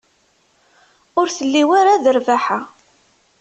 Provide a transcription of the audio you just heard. Ur telli ara d rrbaḥa.